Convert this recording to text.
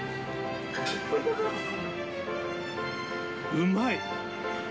うまい。